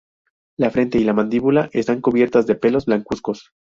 La frente y la mandíbula están cubiertas de pelos blancuzcos.